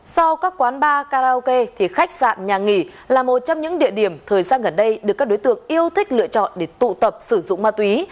sau các quán bar karaoke thì khách sạn nhà nghỉ là một trong những địa điểm thời gian gần đây được các đối tượng yêu thích lựa chọn để tụ tập sử dụng ma túy